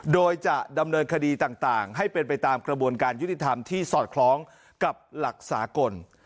โดยจะดำเนินคดีต่างให้เป็นไปตามกระบวนการยุติธรรมที่สอดคล้องกับหลักสากล